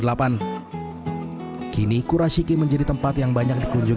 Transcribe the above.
di tempat ini kita akan menemukan tempat tempat bersejarah zaman edo dan meiji